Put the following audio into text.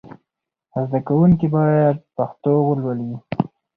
زدهکوونکي باید پښتو ولولي.